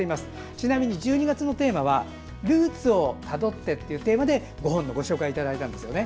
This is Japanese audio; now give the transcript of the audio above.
ちなみに１２月のテーマは「ルーツをたどって」というテーマでご本をご紹介いただいたんですね。